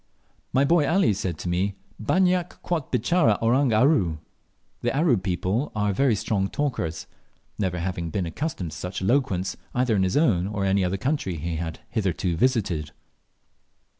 My boy Ali said to me, "Banyak quot bitchara Orang Aru" (The Aru people are very strong talkers), never having been accustomed to such eloquence either in his own or any other country he had hitherto visited.